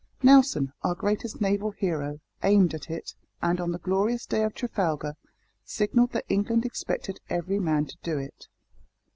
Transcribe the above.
Nelson, our greatest naval hero, aimed at it, and, on the glorious day of Trafalgar, signalled that England expected every man to do it.